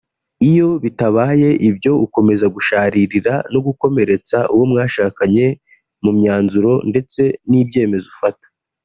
Iyo bitabaye ibyo ukomeza gusharirira no gukomeretsa uwo mwashakanye mu myanzuro ndetse n’ibyemezo ufata